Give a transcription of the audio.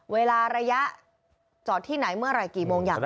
ระยะจอดที่ไหนเมื่อไหร่กี่โมงอย่างไร